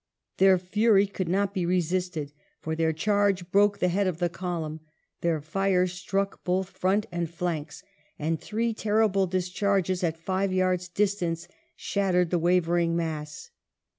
Their fury could not be resisted, for their charge broke the head of the column ; their fire struck both front and flanks, and " three terrible discharges at five yards' distance shattered the wavering mass."